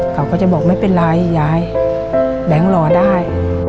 เขาก็จะบอกไม่เป็นไรอย่าให้แบ่งรอได้